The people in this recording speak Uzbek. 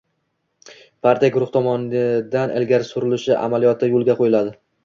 partiya guruhi tomonidan ilgari surilishi amaliyoti yo‘lga qo‘yiladi.